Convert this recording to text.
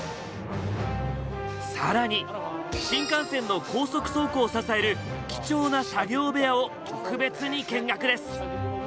更に新幹線の高速走行を支える貴重な作業部屋を特別に見学です。